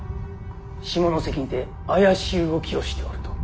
下関にて怪しい動きをしておると。